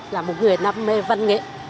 là một người nắm mê văn nghệ